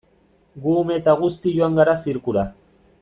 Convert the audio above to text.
Gu ume eta guzti joan gara zirkura.